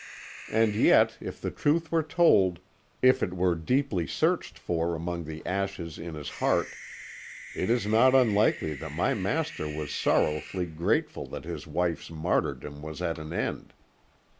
And yet, if the truth were told, if it were deeply searched for among the ashes in his heart, it is not unlikely that my master was sorrowfully grateful that his wife's martyrdom was at an end.